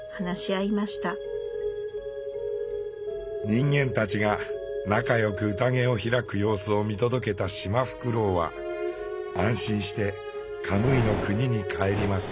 人間たちが仲よく宴を開く様子を見届けたシマフクロウは安心してカムイの国に帰ります。